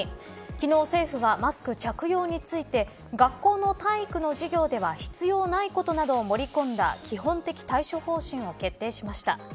昨日、政府はマスク着用について学校の体育の授業では必要ないことなどを盛り込んだ基本的対処方針を決定しました。